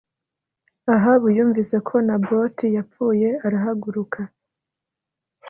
Ahabu yumvise ko Naboti yapfuye arahaguruka